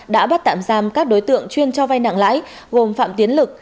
đã bắt tạm giam các đối tượng chuyên cho vay nặng lãi gồm phạm tiến lực